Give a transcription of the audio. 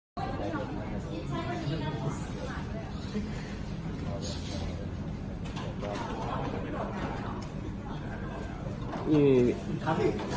ครับพี่